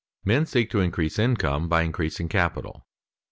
_Men seek to increase income by increasing capital.